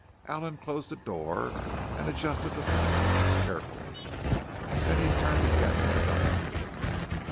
Allen closed the door and adjusted the fastenings carefully. Then he turned again to Dunlavey.